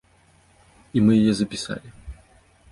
І мы яе запісалі.